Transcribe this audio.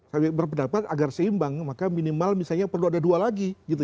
saya berpendapat agar seimbang maka minimal misalnya perlu ada dua lagi gitu